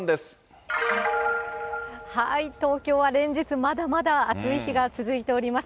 東京は連日、まだまだ暑い日が続いております。